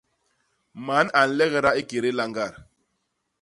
Man a nlegda i kédé lañgat.